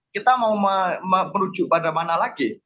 kita mau menuju pada mana lagi